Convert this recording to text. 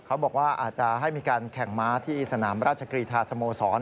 เขาบอกว่าอาจจะให้มีการแข่งม้าที่สนามราชกรีธาสโมสร